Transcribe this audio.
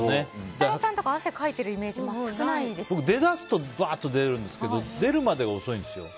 設楽さんとか汗かいてるイメージ出だすとわーっと出るんですけど出るまでが遅いんですよ。